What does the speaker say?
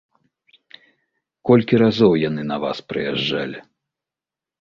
Колькі разоў яны на вас прыязджалі?